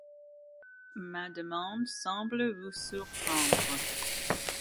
Ma demande semble vous surprendre.